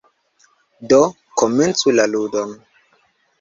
Do, komencu la ludon!